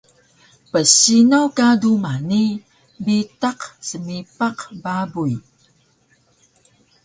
psinaw ka duma ni bitaq smipaq babuy